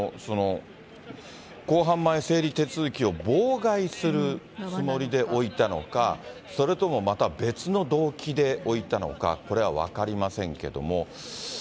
公判前整理手続きを妨害するつもりで置いたのか、それともまた別の動機で置いたのか、これは分かりませんけれども。